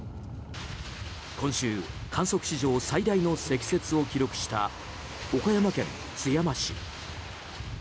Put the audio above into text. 今週、観測史上最大の積雪を記録した岡山県津山市。